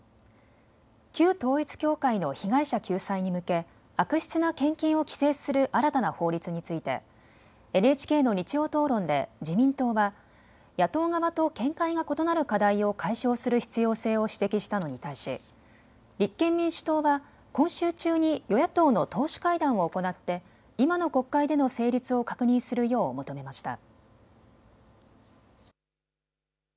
旧統一教会の被害者救済に向け悪質な献金を規制する新たな法律について、ＮＨＫの日曜討論で自民党は野党側と見解が異なる課題を解消する必要性を指摘したのに対し立憲民主党は今週中に与野党の党首会談を行って、今の国会での成立を確認するよう求めました。